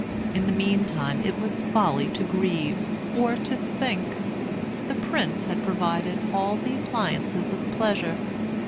In the meantime it was folly to grieve, or to think. The prince had provided all the appliances of pleasure.